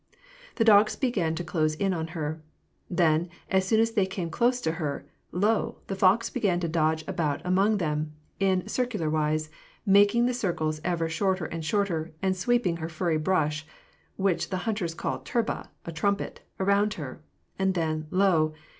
The dogs began to close in upon her. Then, as they came closer to her, lo ! the fox began to dodge about among them, in circular wise, making the circles ever shorter and shorter, and sweeping her furry brush (which the hunters call tniba, a trumpet) around her ; and then, lo